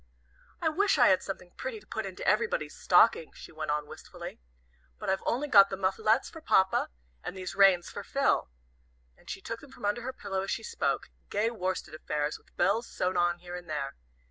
"I wish I had something pretty to put into everybody's stocking," she went on, wistfully; "but I've only got the muffetees for Papa, and these reins for Phil." She took them from under her pillow as she spoke gay worsted affairs, with bells sewed on here and there.